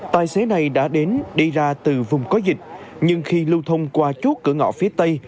tài xế này đã đến đi ra từ vùng có dịch nhưng khi lưu thông qua chốt cửa ngõ phía tây